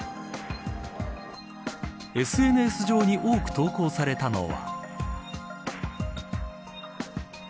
ＳＮＳ上に多く投稿されたのは。